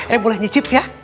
eh boleh nyicip ya